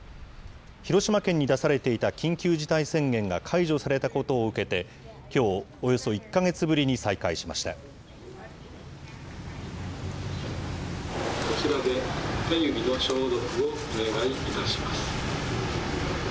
広島県に出されていた緊急事態宣言が解除されたことを受けて、きょう、およそ１か月ぶりに再開しました。